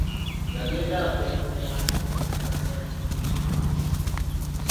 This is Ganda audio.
Yagenda agonderera mpola okutuusa lwe yakkiriza ensobi ze.